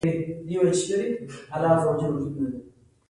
دا صنعت عام شو.